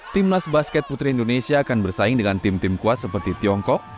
timnas basket putri indonesia akan bersaing dengan tim tim kuat seperti tiongkok